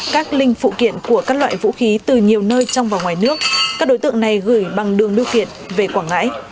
các linh phụ kiện của các loại vũ khí từ nhiều nơi trong và ngoài nước các đối tượng này gửi bằng đường đưa kiệt về quảng ngãi